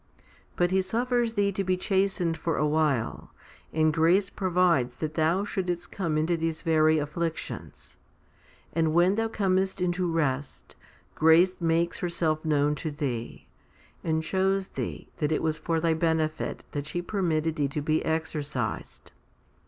But He suffers thee to be chastened for a while, and grace provides that thou shouldest come into these very afflictions ; and when thou comest into rest, grace makes herself known to thee, and shows thee that it was for thy benefit that she permitted thee to be exercised.